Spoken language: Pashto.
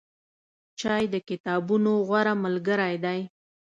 چای د کتابونو غوره ملګری دی.